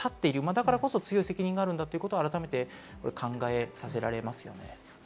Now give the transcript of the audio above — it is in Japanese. だからこそ強い責任があるんだと改めて考えさせられますね。